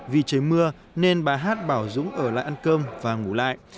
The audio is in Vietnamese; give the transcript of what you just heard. vì trời mưa nên bà hát bảo dũng ở lại ăn cơm và ngủ lại